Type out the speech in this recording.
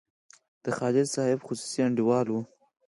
د خالص صاحب خصوصي انډیوال وو.